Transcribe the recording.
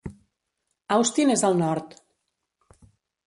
Austin és al nord.